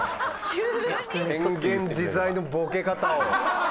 変幻自在のボケ方を。